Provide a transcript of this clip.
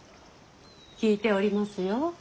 聞いておりますよ。